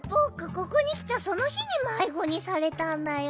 ここにきたそのひにまいごにされたんだよ。